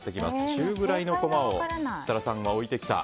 中ぐらいのコマを設楽さんが置いてきた。